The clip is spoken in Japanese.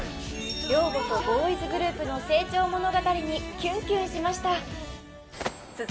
寮母とボーイズグループの成長物語にキュンキュンしました